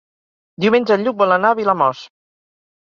Diumenge en Lluc vol anar a Vilamòs.